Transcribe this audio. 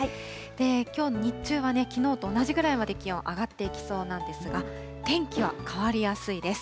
きょうの日中はね、きのうと同じぐらいまで気温上がっていきそうなんですが、天気は変わりやすいです。